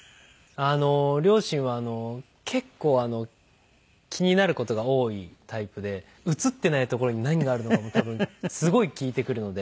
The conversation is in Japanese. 両親は結構気になる事が多いタイプで映ってない所に何があるのかも多分すごい聞いてくるので。